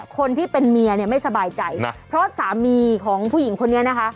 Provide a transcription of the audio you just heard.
คนที่เป็นเมียเนี่ยไม่สบายใจนะเพราะสามีของผู้หญิงคนนี้นะคะ